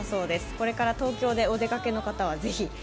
これから東京でお出かけの方はぜひ。